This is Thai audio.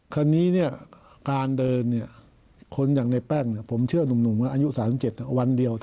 คราวนี้การเดินคนอย่างในแป้งผมเชื่อหนุ่มอายุ๓๗วันเดียว